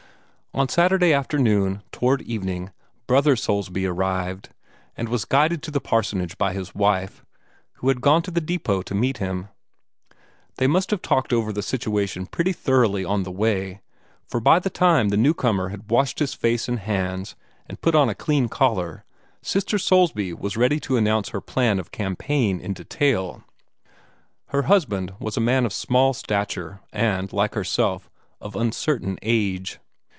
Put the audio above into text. On Saturday afternoon, toward evening, Brother Soulsby arrived, and was guided to the parsonage by his wife, who had gone to the depot to meet him. They must have talked over the situation pretty thoroughly on the way, for by the time the new comer had washed his face and hands and put on a clean collar, Sister Soulsby was ready to announce her plan of campaign in detail. Her husband was a man of small stature and, like herself, of uncertain age.